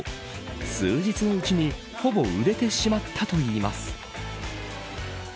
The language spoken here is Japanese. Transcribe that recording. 数日のうちにほぼ売れてしまったといいます。